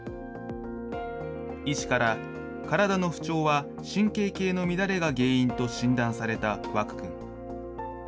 医師から、体の不調は神経系の乱れが原因と診断された和空君。